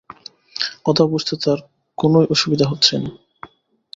কথা বুঝতে তাঁর কোনোই অসুবিধা হচ্ছে না।